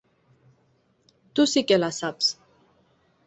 Tu sí que la saps.